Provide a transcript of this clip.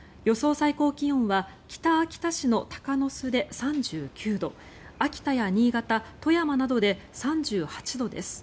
最高気温は北秋田市の鷹巣で３９度秋田や新潟、富山などで３８度です。